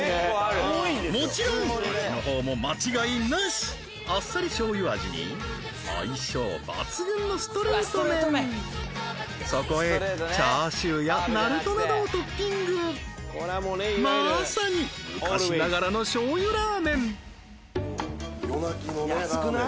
もちろん味の方も間違いなしあっさり醤油味に相性抜群のそこへチャーシューやなるとなどをトッピングまさに昔ながらの醤油ラーメン安くない？